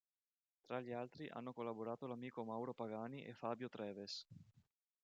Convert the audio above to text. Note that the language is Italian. Tra gli altri hanno collaborato l'amico Mauro Pagani e Fabio Treves.